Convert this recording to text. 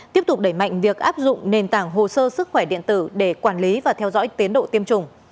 tiếp tục đẩy mạnh việc áp dụng nền tảng hồ sơ sức khỏe điện tử để quản lý và theo dõi tiến độ tiêm chủng